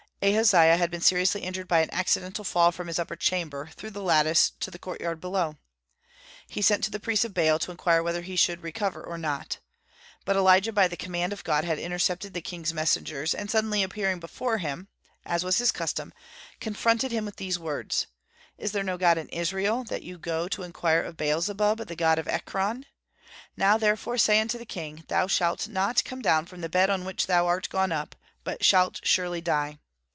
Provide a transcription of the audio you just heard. Ahaziah had been seriously injured by an accidental fall from his upper chamber, through the lattice, to the court yard below. He sent to the priests of Baal, to inquire whether he should recover or not. But Elijah by command of God had intercepted the king's messengers, and suddenly appearing before them, as was his custom, confronted them with these words: "Is there no God in Israel, that ye go to inquire of Baalzebub, the God of Ekron? Now, therefore, say unto the king, Thou shalt not come down from the bed on which thou art gone up, but shalt surely die."